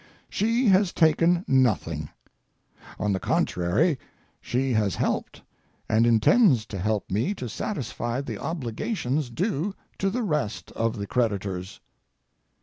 She has taken nothing; on the contrary, she has helped and intends to help me to satisfy the obligations due to the rest of the creditors.